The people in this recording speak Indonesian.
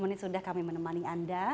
tiga puluh menit sudah kami menemani anda